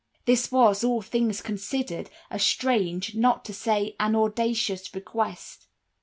"This was, all things considered, a strange, not to say, an audacious request.